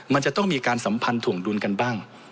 มันจะต้องมีการสัมพันธ์ถ่วงดุลกันบ้าง